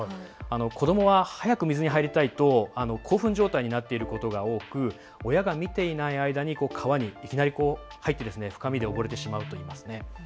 子どもは早く水に入りたいと興奮状態になっていることが多く親が見ていない間に川に入りいきなり深みで溺れてしまうといいます。